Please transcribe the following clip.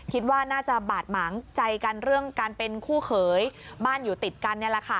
คิดว่าน่าจะบาดหมางใจกันเรื่องการเป็นคู่เขยบ้านอยู่ติดกันนี่แหละค่ะ